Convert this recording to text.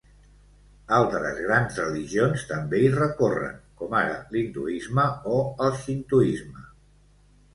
Altres grans religions també hi recorren, com ara l'hinduisme o el xintoisme.